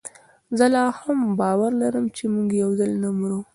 زه لا هم باور لرم چي موږ یوځل نه مرو